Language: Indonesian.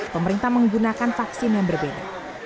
pemerintah menggunakan vaksin yang berbeda